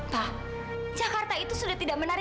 pak jakarta itu sudah tidak menangisnya